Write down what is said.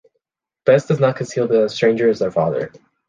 Bess does not conceal that this stranger is their father.